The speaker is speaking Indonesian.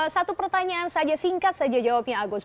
satu pertanyaan saja singkat saja jawabnya agus